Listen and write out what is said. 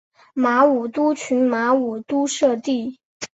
马武督群马武督社地。